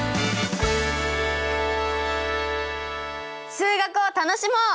数学を楽しもう！